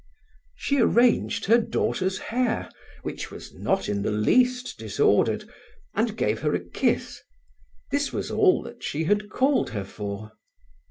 She arranged her daughter's hair, which was not in the least disordered, and gave her a kiss. This was all that she had called her for.